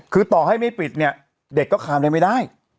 คือต่อให้ไม่ปิดเนี่ยเด็กก็คามได้ไม่ได้